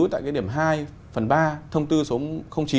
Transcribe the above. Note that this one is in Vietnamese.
tại điểm hai phần ba thông tư số chín